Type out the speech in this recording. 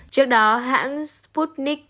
trước đó hãng sputnik